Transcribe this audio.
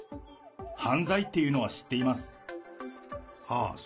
犯罪っているのは知っています。